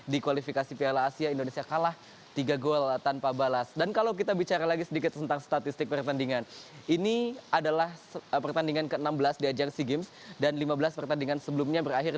dan lima belas pertandingan sebelumnya berakhir